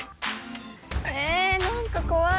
え何か怖い。